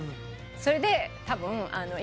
それで多分今。